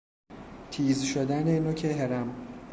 تیز شدن نوک هرم